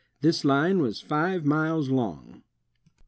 The line was five miles long.